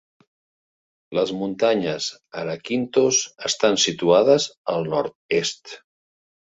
Les muntanyes Arakynthos estan situades al nord-est.